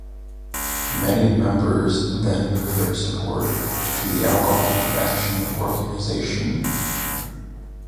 Many members then moved their support to the Alcohol Action organisation.